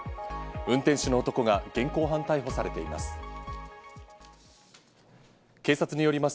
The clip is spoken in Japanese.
運転手の男が現行犯逮捕されています。